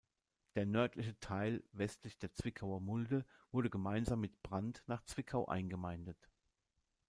Der nördliche Teil westlich der Zwickauer Mulde wurde gemeinsam mit Brand nach Zwickau eingemeindet.